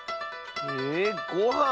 えごはん？